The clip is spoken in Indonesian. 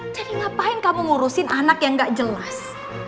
jadi ngapain kamu ngurusin anak yang gak jelas